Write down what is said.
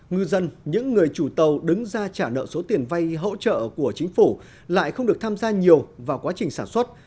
ngư dân những người chủ tàu đứng ra trả nợ số tiền vay hỗ trợ của chính phủ lại không được tham gia nhiều vào quá trình sản xuất